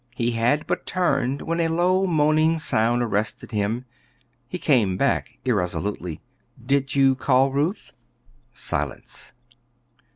He had but turned when a low, moaning sound arrested him; he came back irresolutely. "Did you call, Ruth?" Silence.